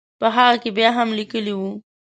په هغه کې بیا هم لیکلي وو.